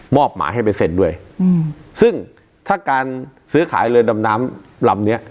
หมายให้ไปเซ็นด้วยอืมซึ่งถ้าการซื้อขายเรือดำน้ำลำเนี้ย